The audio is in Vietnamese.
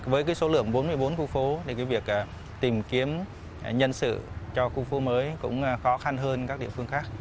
với số lượng bốn mươi bốn khu phố thì việc tìm kiếm nhân sự cho khu phố mới cũng khó khăn hơn các địa phương khác